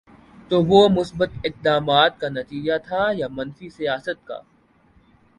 تو وہ مثبت اقدامات کا نتیجہ تھا یا منفی سیاست کا؟